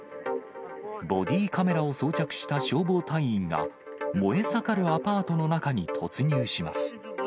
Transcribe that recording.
ボディカメラを装着した消防隊員が、燃え盛るアパートの中に突入します。